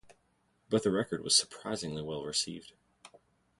But the record was surprisingly well received.